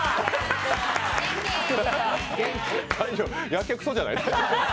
やけくそじゃない？